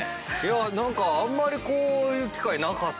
何かあんまりこういう機会なかったよね。